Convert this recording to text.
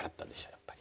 やっぱり。